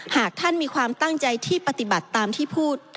หากท่านมีความตั้งใจที่ปฏิบัติตามที่พูด